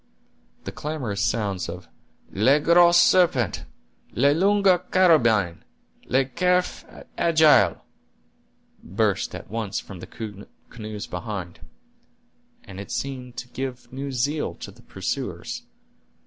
The clamorous sounds of "Le Gros Serpent!" "La Longue Carabine!" "Le Cerf Agile!" burst at once from the canoes behind, and seemed to give new zeal to the pursuers.